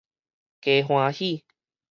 加歡喜